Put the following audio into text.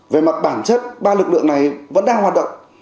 về mặt bản chất ba lực lượng này vẫn đang hoạt động